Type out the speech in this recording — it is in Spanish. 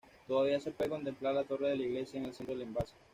Todavía se puede contemplar la torre de la iglesia en el centro del embalse.